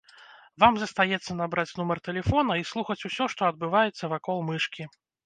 Вам застаецца набраць нумар тэлефона і слухаць усё, што адбываецца вакол мышкі.